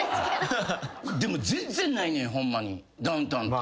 でも全然ないねんホンマにダウンタウンって。